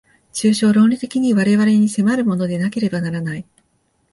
抽象論理的に我々に迫るものでなければならない。